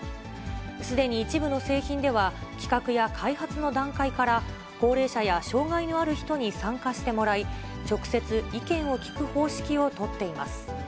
すでに一部の製品では、企画や開発の段階から高齢者や障がいのある人に参加してもらい、直接意見を聞く方式を取っています。